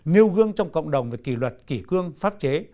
nêu gương trong cộng đồng về kỷ luật kỷ cương pháp chế